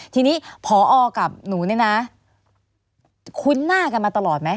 ทีนี้พอกับหนูเนี่ยนะคุ้นหน้ากันมาตลอดไหม